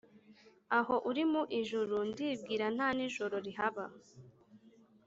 aho uri mu ijuru ntibwira ntanijoro rihaba